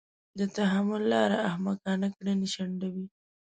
د تحمل لاره احمقانه کړنې شنډوي.